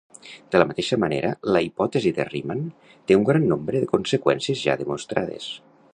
De la mateixa manera, la hipòtesi de Riemann té un gran nombre de conseqüències ja demostrades.